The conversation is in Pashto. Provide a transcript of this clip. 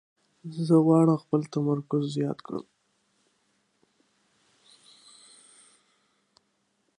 زه غواړم خپل تمرکز زیات کړم.